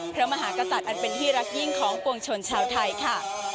พระมหากษัตริย์อันเป็นที่รักยิ่งของปวงชนชาวไทยค่ะ